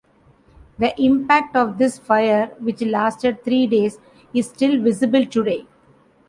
The impact of this fire, which lasted three days, is still visible today.